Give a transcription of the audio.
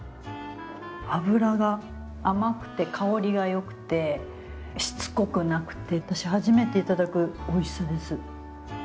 脂が甘くて香りがよくてしつこくなくて私初めていただくおいしさです。